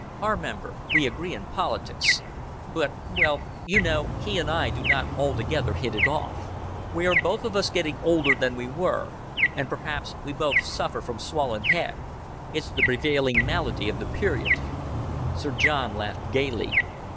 "Our member we agree in politics; but, well, you know, he and I do not altogether hit it off. We are both of us getting older than we were and perhaps we both suffer from swollen head. It's the prevailing malady of the period." Sir John laughed gaily.